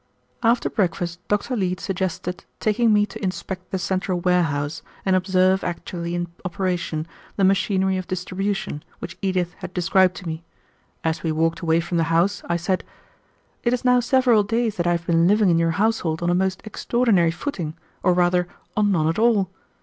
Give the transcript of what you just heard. After breakfast, Dr. Leete suggested taking me to inspect the central warehouse and observe actually in operation the machinery of distribution, which Edith had described to me. As we walked away from the house I said, "It is now several days that I have been living in your household on a most extraordinary footing, or rather on none at all.